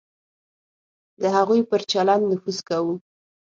د هغوی پر چلند نفوذ کوو.